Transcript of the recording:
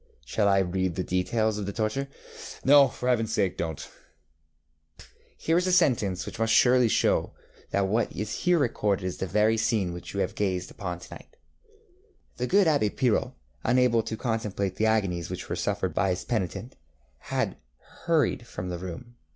ŌĆØŌĆÖ Shall I read the details of the torture? ŌĆØ ŌĆ£No, for HeavenŌĆÖs sake, donŌĆÖt. ŌĆØ ŌĆ£Here is a sentence which must surely show you that what is here recorded is the very scene which you have gazed upon to night: ŌĆśThe good Abb├® Pirot, unable to contemplate the agonies which were suffered by his penitent, had hurried from the room.